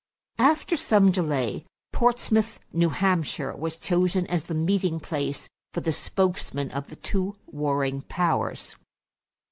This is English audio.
After some delay, Portsmouth, New Hampshire, was chosen as the meeting place for the spokesmen of the two warring powers.